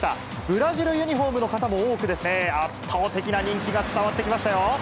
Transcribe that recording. ブラジルユニホームの方も多く、圧倒的な人気が伝わってきましたよ。